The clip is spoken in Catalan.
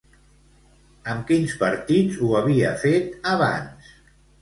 Amb quins partits ho havia fet abans?